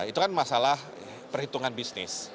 itu kan masalah perhitungan bisnis